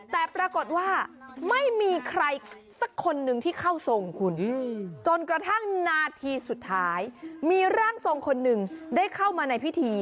แต่ปรากฏว่าไม่มีใครสักคนหนึ่งที่เข้าทรงคุณจนกระทั่งนาทีสุดท้ายมีร่างทรงคนหนึ่งได้เข้ามาในพิธี